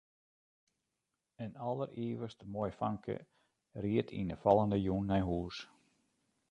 In alderivichst moai famke ried yn 'e fallende jûn nei hús.